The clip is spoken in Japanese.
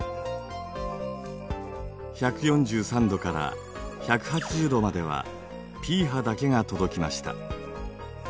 １４３°から１８０°まではＰ波だけが届きました。